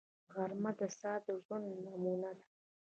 غرمه د ساده ژوند نمونه ده